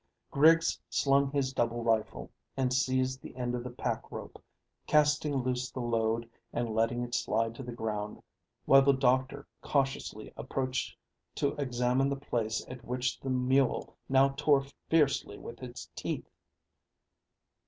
Griggs slung his double rifle and seized the end of the pack rope, casting loose the load and letting it slide to the ground, while the doctor cautiously approached to examine the place at which the mule now tore fiercely with its teeth.